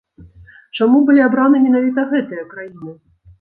Чаму былі абраныя менавіта гэтыя краіны?